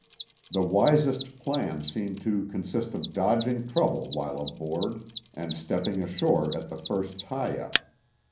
The wisest plan seemed to consist of dodging trouble while aboard, and stepping ashore at the first tie up.